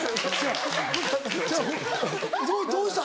どどうした？